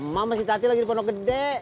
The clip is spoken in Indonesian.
ma masih tadi lagi di pono gede